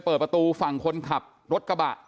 เปิดประตูฝั่งคนขับรถกระบะ